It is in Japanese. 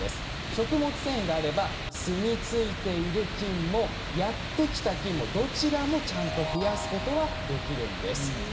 食物繊維があればすみついている菌もやってきた菌も、どちらもちゃんと増やすことはできるんです。